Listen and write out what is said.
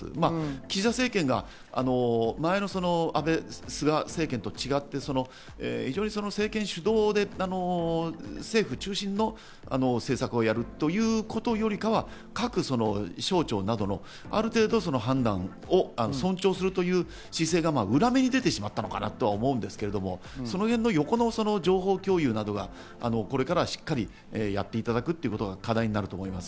岸田政権が前の安倍・菅政権と違って政権主導で政府中心の政策をやるということよりかは各省庁などのある程度判断を尊重するという姿勢が裏目に出てしまったのかなとは思うんですけど、そのへんの横の情報共有などがこれからしっかりやっていただくということが課題になると思います。